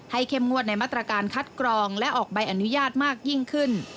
เข้มงวดในมาตรการคัดกรองและออกใบอนุญาตมากยิ่งขึ้น